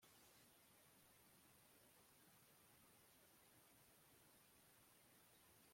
Ntakintu nakimwe gikiza ikirere kibyara